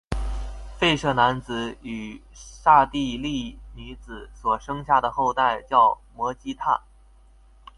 吠舍男子与刹帝利女子所生下的后代叫做摩偈闼。